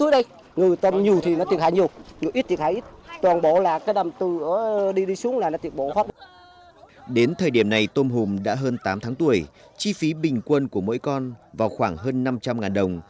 đến thời điểm này tôm hùm đã hơn tám tháng tuổi chi phí bình quân của mỗi con vào khoảng hơn năm trăm linh đồng